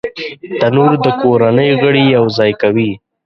تنور د کورنۍ غړي یو ځای کوي